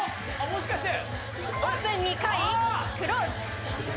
もしかして！